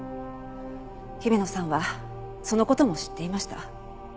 姫野さんはその事も知っていました。